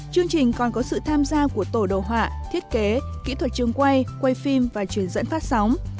chương trình còn có sự tham gia của tổ đồ họa thiết kế kỹ thuật trường quay quay phim và truyền dẫn phát sóng